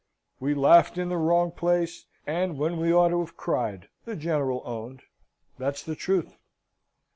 "We laughed in the wrong place, and when we ought to have cried," the General owned, "that's the truth."